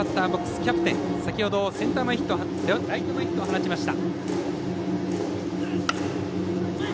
キャプテン先ほどはライト前ヒットを放ちました。